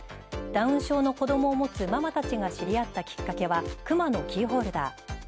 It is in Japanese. ダウン症の子供を持つママたちが知り合ったきっかけはクマのキーホルダー。